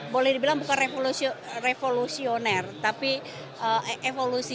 boleh dibilang bukan revolusioner tapi evolusi